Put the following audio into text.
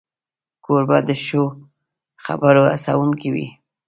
کوربه د ښو خبرو هڅونکی وي.